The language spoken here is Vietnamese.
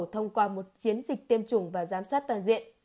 thông qua một chiến dịch tiêm chủng và giám sát toàn diện